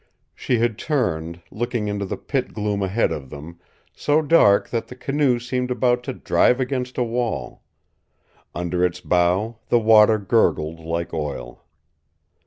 She had turned, looking into the pit gloom ahead of them, so dark that the canoe seemed about to drive against a wall. Under its bow the water gurgled like oil.